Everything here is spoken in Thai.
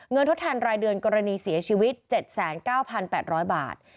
ทดแทนรายเดือนกรณีเสียชีวิต๗๙๘๐๐บาท